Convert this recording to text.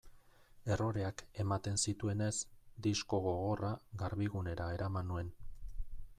Erroreak ematen zituenez, disko gogorra Garbigunera eraman nuen.